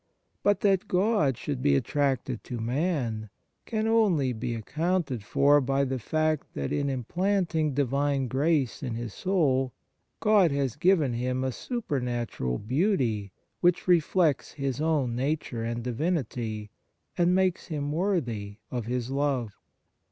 But that God should be attracted to man can only be accounted for by the fact that in implanting Divine grace in his soul God has given him a supernatural beauty which reflects His own Nature and Divinity and makes him worthy of His love.